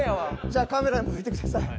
じゃあカメラ向いてください。